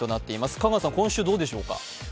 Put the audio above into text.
香川さん、今週、どうでしょうか。